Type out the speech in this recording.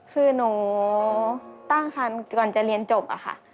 คือหนูตั้งคันก่อนจะเรียนจบอะค่ะ